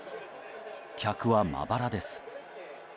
客はまばらです。